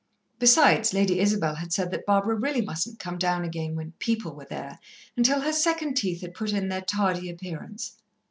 Besides, Lady Isabel had said that Barbara really mustn't come down again when "people" were there until her second teeth had put in their tardy appearance.